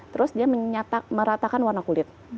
terus dia meratakan warna kulit